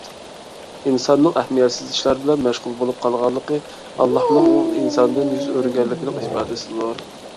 ئىنساننىڭ ئەھمىيەتسىز ئىشلار بىلەن مەشغۇل بولۇپ قالغانلىقى، ئاللاھنىڭ ئۇ ئىنساندىن يۈز ئۆرۈگەنلىكىنىڭ ئىپادىسىدۇر.